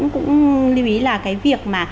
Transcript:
cũng lưu ý là cái việc mà